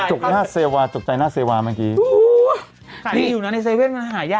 ตกใจตกใจหน้าเซวาเมื่อกี้อุ้ยอยู่นะในเซเว่นมันหายาก